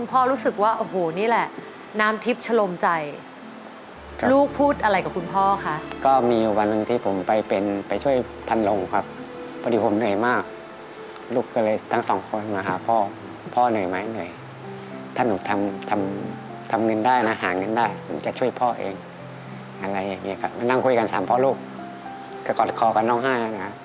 พูมใจไหมคะได้ยิ้นคุณพ่อพูดแบบนี้